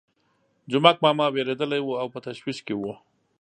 جومک ماما وېرېدلی وو او په تشویش کې وو.